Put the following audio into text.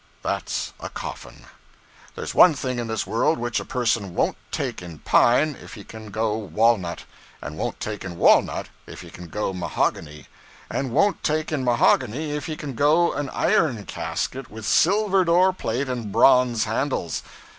That's a coffin. There's one thing in this world which a person won't take in pine if he can go walnut; and won't take in walnut if he can go mahogany; and won't take in mahogany if he can go an iron casket with silver door plate and bronze handles.